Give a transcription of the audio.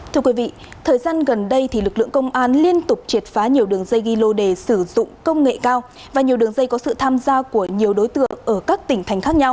thưa quý vị thời gian gần đây lực lượng công an liên tục triệt phá nhiều đường dây ghi lô đề sử dụng công nghệ cao và nhiều đường dây có sự tham gia của nhiều đối tượng ở các tỉnh thành khác nhau